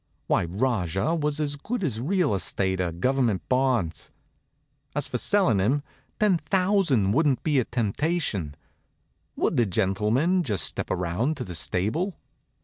Why, Rajah was as good as real estate or Government bonds. As for selling him, ten thousand wouldn't be a temptation. Would the gentlemen just step around to the stable?